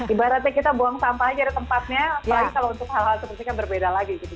ibaratnya kita buang sampah aja ada tempatnya apalagi kalau untuk hal hal seperti kan berbeda lagi gitu